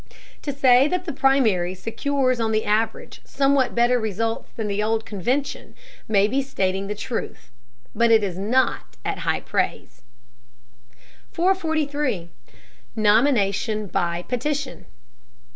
To say that the primary secures on the average somewhat better results than the old convention may be stating the truth, but it is not high praise." 443. NOMINATION BY PETITION.